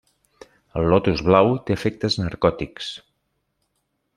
El lotus blau té efectes narcòtics.